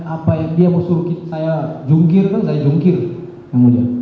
apa yang dia mau suruh saya jungkir kan saya jungkir ya mulia